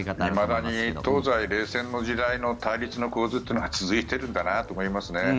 いまだに東西冷戦の時代の対立の構図が続いているんだなと思いますよね。